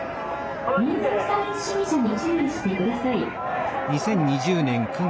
民族差別主義者に注意して下さい」。